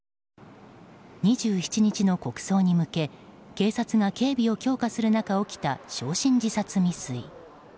２７日の国葬に向け警察が警備を強化する中起きた焼身自殺未遂。